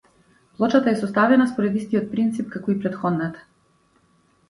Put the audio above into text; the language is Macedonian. Плочата е составена според истиот принцип како и претходната.